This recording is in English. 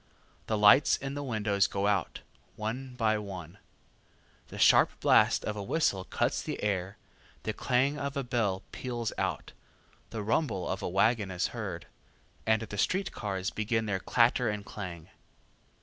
The lights in the windows go out, one by one; the sharp blast of a whistle cuts the air, the clang of a bell peals out, the rumble of a wagon is heard, and the street cars begin their clatter and clang.